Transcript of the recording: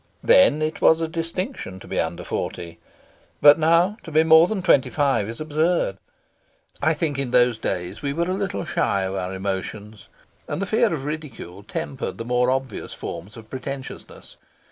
Then it was a distinction to be under forty, but now to be more than twenty five is absurd. I think in those days we were a little shy of our emotions, and the fear of ridicule tempered the more obvious forms of pretentiousness.